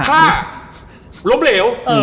ถ้าล้มเหลว